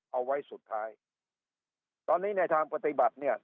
เอาไว้สุดท้ายตอนนี้ในทางปฏิบัติเนี่ย